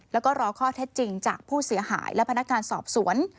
แล้วก็รอข้อเท็จจริงจากผู้เสียหายและพนักงานสอบสวน